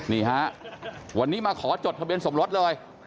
นี่ฮะวันนี้มาขอจดทะเบียนสมรสเลย